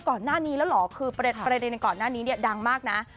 ก่อนหน้านี้แล้วเหรอคือประเด็นในก่อนหน้านี้เนี่ยดังมากนะ